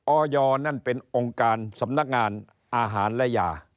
อยนั่นเป็นองค์การสำนักงานอาหารและยา